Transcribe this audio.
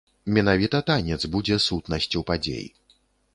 Менавіта танец будзе сутнасцю падзей.